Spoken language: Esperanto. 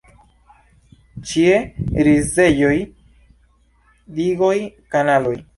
Ĉie rizejoj, digoj, kanaloj.